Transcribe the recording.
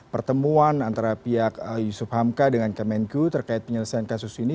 pertemuan antara pihak yusuf hamka dengan kemenku terkait penyelesaian kasus ini